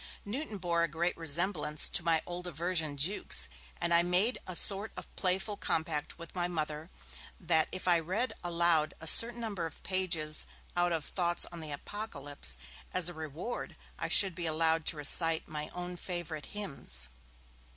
Newton bore a great resemblance to my old aversion, Jukes, and I made a sort of playful compact with my Mother that if I read aloud a certain number of pages out of 'Thoughts on the Apocalypse', as a reward I should be allowed to recite 'my own favourite hymns'.